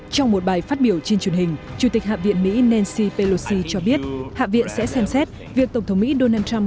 trong một bài phát biểu trên truyền hình chủ tịch hạ viện mỹ nancy pelosi cho biết hạ viện sẽ xem xét việc tổng thống mỹ donald trump